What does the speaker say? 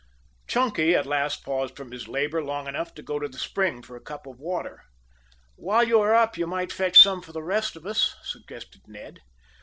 Chunky at last paused from his labor long enough to go to the spring for a cup of water. "While you are up you might fetch some for the rest of us," suggested Ned.